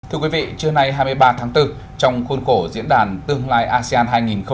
thưa quý vị trưa nay hai mươi ba tháng bốn trong khuôn khổ diễn đàn tương lai asean hai nghìn hai mươi bốn